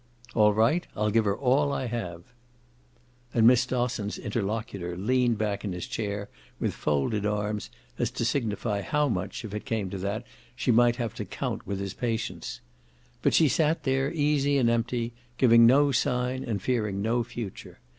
"All right: I'll give her all I have." And Miss Dosson's interlocutor leaned back in his chair with folded arms, as to signify how much, if it came to that, she might have to count with his patience. But she sat there easy and empty, giving no sign and fearing no future.